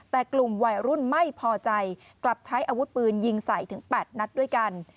แต่กลุ่มวัยรุ่นไม่พอใจกลับใช้อาวุธปืนยิงใส่ถึง๘นัดด้วยกัน